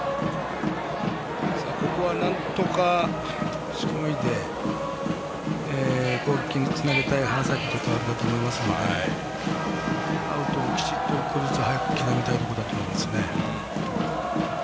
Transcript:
ここはなんとかしのいで攻撃につなげたい花咲徳栄だと思いますのでアウトをきっちりと１個ずつ刻みたいところだと思います。